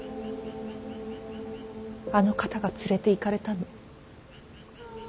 あの方が連れていかれたの？